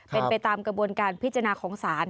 เป็นไปตามกระบวนการพิจารณาของศาล